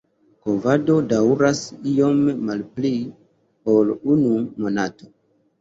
Kovado daŭras iom malpli ol unu monato.